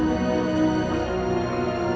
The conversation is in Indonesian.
gak usah lo nyesel